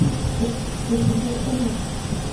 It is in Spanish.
Desemboca en el río Rin.